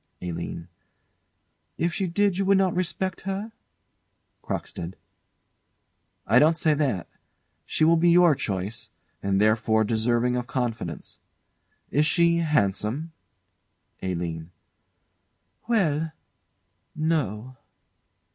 ALINE. If she did you would not respect her? CROCKSTEAD. I don't say that. She will be your choice; and therefore deserving of confidence. Is she handsome? ALINE. Well no.